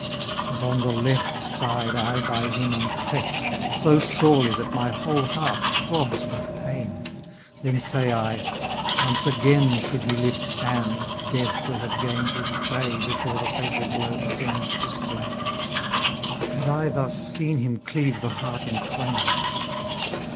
And on the left side I by him am cleft. So sorely that my whole heart throbs with pain. ^ Then say I, " Once again Should he lift hand. Death will have gained his prey Before the fatal blow descends to slay." Had I thus seen him cleave the heart in twain.